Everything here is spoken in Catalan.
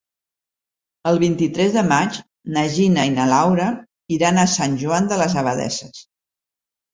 El vint-i-tres de maig na Gina i na Laura iran a Sant Joan de les Abadesses.